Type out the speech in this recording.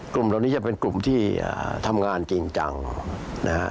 กลุ่มเหล่านี้จะเป็นกลุ่มที่ทำงานจริงจังนะฮะ